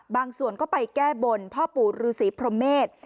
บางส่วนก็ไปแก้บ่นพ่อปู่รุษิพรหมศ